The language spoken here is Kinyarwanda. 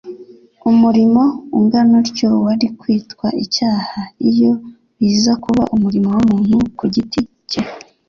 Umurimo ungana utyo wari kwitwa icyaha iyo biza kuba umurimo w'umuntu ku giti cye,